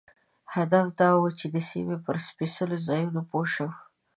هدف دا و چې د سیمې پر سپېڅلو ځایونو پوه شم.